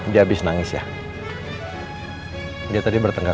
dia mau menyembunyikan seperti apa